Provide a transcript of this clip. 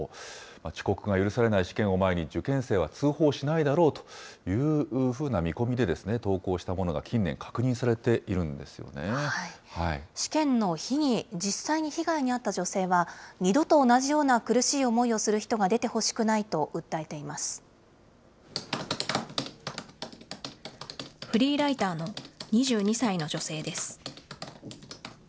遅刻が許されない試験を前に、受験生は通報しないだろうというふうな見込みで投稿したものが近試験の日に実際に被害に遭った女性は、二度と同じような苦しい思いをする人が出てほしくないフリーライターの２２歳の女性です。